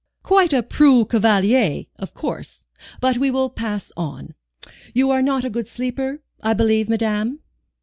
"Quite a preux cavalier, of course. But we will pass on. You are not a good sleeper, I believe, madame?"